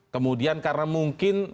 kemudian karena mungkin